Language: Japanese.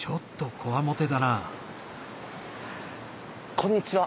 こんにちは。